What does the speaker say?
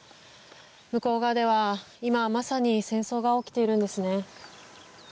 向こう側では、今まさに戦争が起きているんですね。